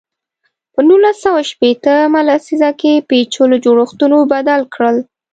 په نولس سوه شپېته مه لسیزه کې پېچلو جوړښتونو بدتر کړل.